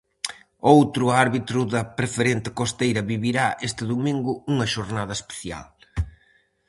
Outro árbitro da Preferente costeira vivirá, este domingo, unha xornada especial.